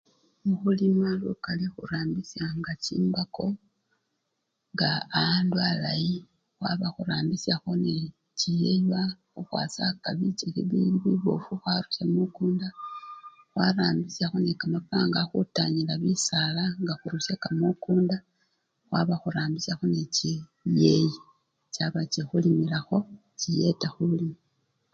Mukhulima lukali khurambisyanga chimbako, nga awandu alayi, khwaba nga khurambisyakho nende chiyaywa khukhwasaka bichikhi bili bibofu khwarusya mukunda, khwarambisyakho kamapanga khutanyila bisala nga khurusyaka mukunda, khwaba nga khurambisyakho nende chiyeyi chaba chikhulimilakho, chiyeta khulima.